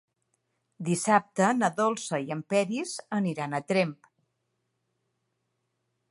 Dissabte na Dolça i en Peris aniran a Tremp.